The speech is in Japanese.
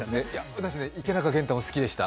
私、「池中玄太」も好きでした。